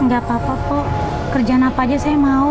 gak apa apa kok kerjaan apa aja saya mau